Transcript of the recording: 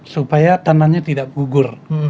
supaya tanahnya tidak gugur